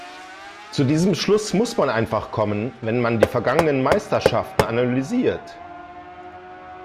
Zu diesem Schluss muss man einfach kommen, wenn man die vergangenen Meisterschaften analysiert.